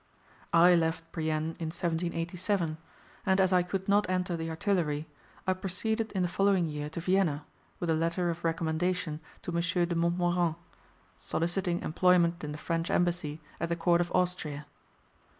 I left Brienne in 1787; and as I could not enter the artillery, I proceeded in the following year to Vienna, with a letter of recommendation to M. de Montmorin, soliciting employment in the French Embassy at the Court of Austria.